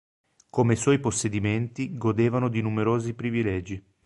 Come suoi possedimenti, godevano di numerosi privilegi.